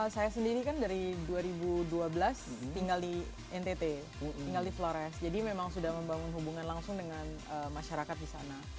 saya sendiri kan dari dua ribu dua belas tinggal di ntt tinggal di flores jadi memang sudah membangun hubungan langsung dengan masyarakat di sana